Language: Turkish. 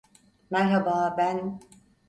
Merhaba, ben…